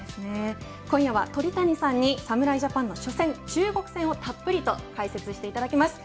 今夜は鳥谷さんに侍ジャパンの初戦、中国戦をたっぷりと解説していただきます。